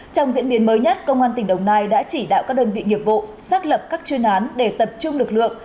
trong diễn biến mới nhất công an tỉnh đồng nai đã chỉ đạo các đơn vị nghiệp vụ xác lập các chuyên án để tập trung lực lượng